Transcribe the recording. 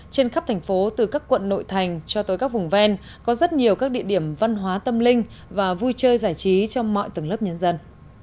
trên khắp thành phố từ các quận nội thành cho tới các vùng ven có rất nhiều các địa điểm văn hóa tâm linh và vui chơi giải trí trong mọi tầng lớp nhân dân